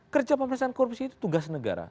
kerja pemerintahan korupsi itu tugas negara